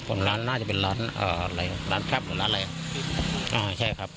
ตรงร้านน่าจะเป็นร้านอะไรร้านครับหรือร้านอะไรอ่าใช่ครับ